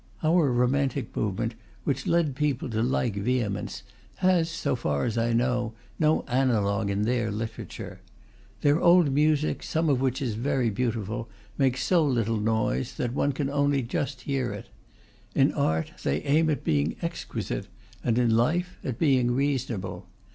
Our romantic movement, which led people to like vehemence, has, so far as I know, no analogue in their literature. Their old music, some of which is very beautiful, makes so little noise that one can only just hear it. In art they aim at being exquisite, and in life at being reasonable.